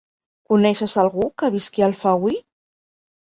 Coneixes algú que visqui a Alfauir?